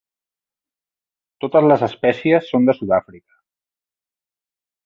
Totes les espècies són de Sud-àfrica.